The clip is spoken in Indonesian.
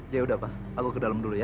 yaudah pak aku ke dalam dulu ya